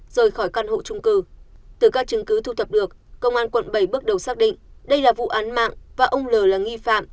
rời khỏi căn hộ trung cư từ các chứng cứ thu thập được công an quận bảy bước đầu xác định đây là vụ án mạng và ông l là nghi phạm